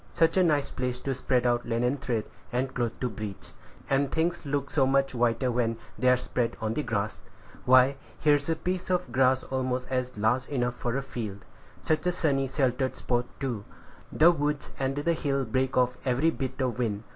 Such a nice place to spread out linen thread and cloth to bleach; and things look so much whiter when they are spread on the grass! Why, here is a piece of grass almost large enough for a field; such a sunny, sheltered spot, too! the woods and the hill break off every bit of wind.